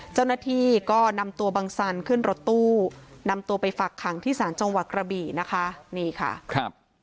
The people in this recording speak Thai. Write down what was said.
เจ้าหน้าที่ก็นำตัวบังสันขึ้นรถตู้นำตัวไปฝักขังที่ศาลจังหวัดกระบี่นะคะนี่ค่ะครับ